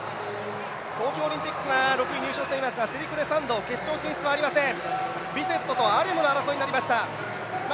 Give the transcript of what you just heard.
東京オリンピックは６位に入賞していますが世陸で３度、決勝進出はありません。